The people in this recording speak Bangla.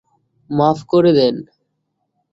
মাফ করে দেন।